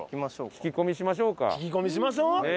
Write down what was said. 聞き込みしましょう。